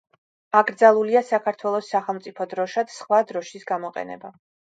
აკრძალულია საქართველოს სახელმწიფო დროშად სხვა დროშის გამოყენება.